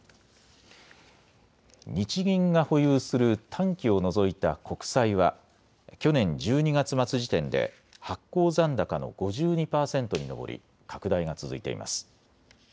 日銀が保有する短期を除いた国債は去年１２月末時点で発行残高の５２％に上り拡大が続いています。